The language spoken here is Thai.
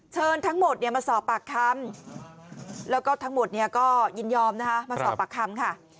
เชิญทั้งหมดมาสอบปากคำแล้วก็ทั้งหมดเนี่ยก็ยินยอมนะคะมาสอบปากคำค่ะ